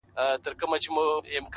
دوی بيريدل چي فاميل ئې پيدا نسي.